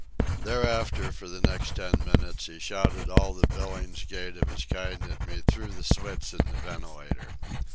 Thereafter, for the next ten minutes, he shouted all the Billingsgate of his kind at me through the slits in the ventilator.